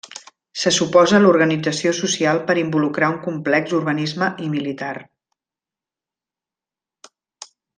Se suposa l'organització social per involucrar un complex urbanisme i militar.